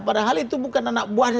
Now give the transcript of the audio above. padahal itu bukan anak buahnya